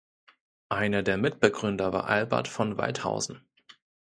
Einer der Mitbegründer war Albert von Waldthausen.